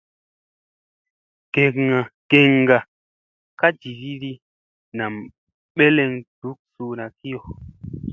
Geŋga ka jividi nam ɓeleŋ duk suuna kiyo.